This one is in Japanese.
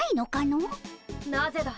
・なぜだ！